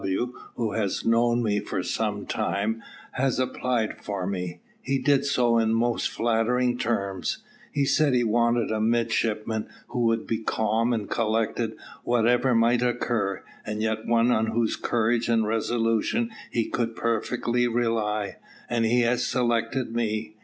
W , who has known me for some time, has applied for me. He did so in most flattering terms. He said he wanted a midshipman who would be calm and collected whatever might occur, and yet one on whose courage and resolution he could perfectly rely, and he has selected me.